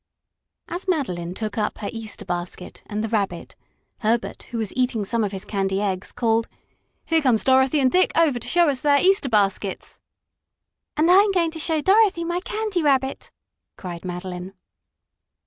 As Madeline took up her Easter basket and the Rabbit, Herbert, who was eating some of his candy eggs, called: "Here come Dorothy and Dick over to show us their Easter baskets." "And I'm going to show Dorothy my Candy Rabbit!" cried Madeline.